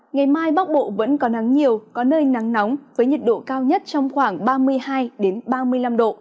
ngày mai bắc bộ vẫn có nắng nhiều có nơi nắng nóng với nhiệt độ cao nhất trong khoảng ba mươi hai ba mươi năm độ